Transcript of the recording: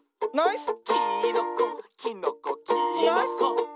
「きーのこきのこきーのこ」